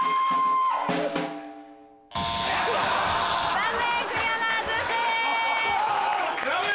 残念クリアならずです。